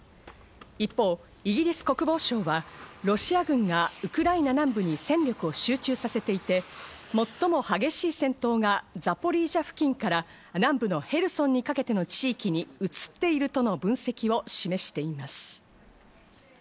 一方、イギリス国防省はロシア軍がウクライナ南部に戦力を集中させていて、最も激しい戦闘が南部のヘルソンにかけての地域に移っているとの分析を示しています。